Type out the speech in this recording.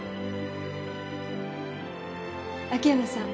秋山さん。